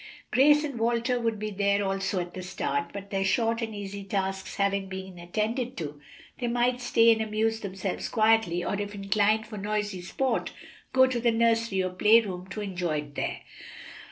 Grace and Walter would be there also at the start, but their short and easy tasks having been attended to, they might stay and amuse themselves quietly, or if inclined for noisy sport, go to the nursery or play room to enjoy it there.